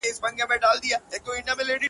o دا سړى له سر تير دى ځواني وركوي تا غــواړي.